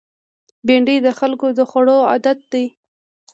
بېنډۍ د خلکو د خوړو عادت دی